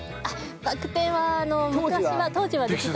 バク転は昔は当時はできてた。